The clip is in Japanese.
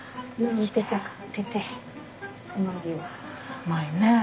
うまいねえ。